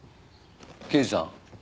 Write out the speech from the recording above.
刑事さん